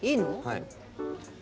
はい。